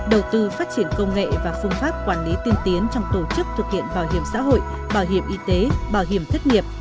đầu tư phát triển công nghệ và phương pháp quản lý tiên tiến trong tổ chức thực hiện bảo hiểm xã hội bảo hiểm y tế bảo hiểm thất nghiệp